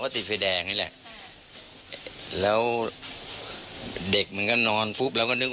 พี่สมหมายก็เลย